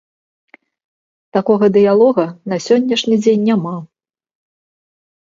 Такога дыялога на сённяшні дзень няма.